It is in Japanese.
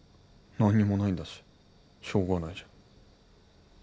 何にもないんだししょうがないじゃん。